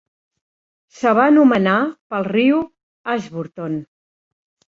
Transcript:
Se' va anomenar pel riu Ashburton.